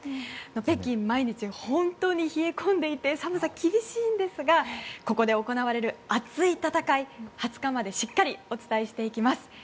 北京、毎日本当に冷え込んでいて寒さが厳しいんですがここで行われる熱い戦い、２０日までしっかりお伝えしていきます。